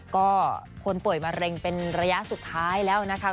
ก็คนป่วยมะเร็งเป็นระยะสุดท้ายแล้วนะคะ